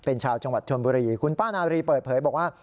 เป็นชาวจังหวัดชนบุรีคุณป้านารีเปิดเผยบอกว่า